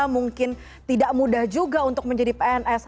mungkin tidak mudah juga untuk menjadi pns